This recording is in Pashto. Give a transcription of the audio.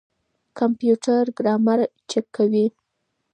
کمپيوټر ګرامر چک کوي.